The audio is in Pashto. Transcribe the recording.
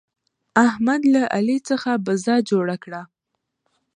احمد له علي څخه بزه جوړه کړه.